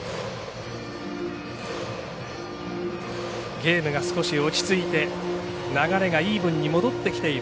ゲームが少し落ち着いて流れがイーブンに戻ってきている